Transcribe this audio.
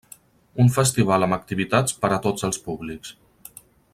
Un festival amb activitats per a tots els públics.